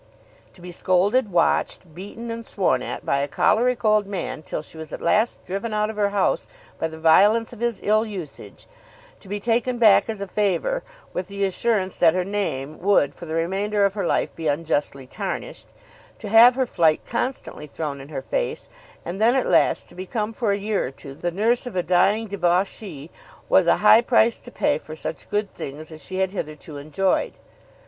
To be scolded, watched, beaten, and sworn at by a choleric old man till she was at last driven out of her house by the violence of his ill usage; to be taken back as a favour with the assurance that her name would for the remainder of her life be unjustly tarnished; to have her flight constantly thrown in her face; and then at last to become for a year or two the nurse of a dying debauchee, was a high price to pay for such good things as she had hitherto enjoyed.